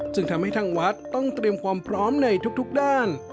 จึงทำให้ทางวัดต้องเตรียมความพร้อมในทุกด้าน